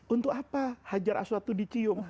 untuk apa hajar aswad itu dicium